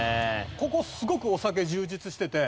ここすごくお酒充実してて。